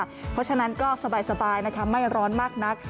เพราะฉะนั้นก็สบายนะคะไม่ร้อนมากนัก